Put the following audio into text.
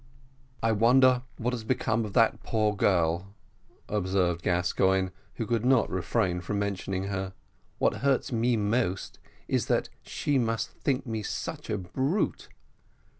"I wonder what has become of that poor girl," observed Gascoigne, who could not refrain from mentioning her; "what hurts me most is, that she must think me such a brute."